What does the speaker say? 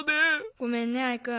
ごめんねアイくん。